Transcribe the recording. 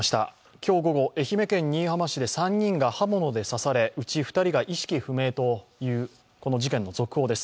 今日午後、愛媛県新居浜市で３人が刃物で刺され、うち、２人が意識不明という事件の速報です。